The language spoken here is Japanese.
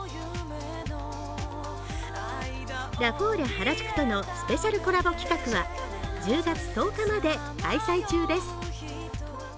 ラフォーレ原宿とのスペシャルコラボは１０月１０日まで開催中です。